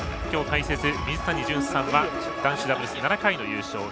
きょう解説、水谷隼さんは男子ダブルス７回の優勝